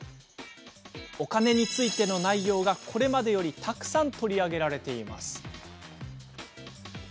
お金についての内容がこれまでよりたくさん取り上げられています。